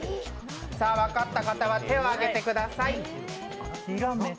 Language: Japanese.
分かった方は手を挙げてください。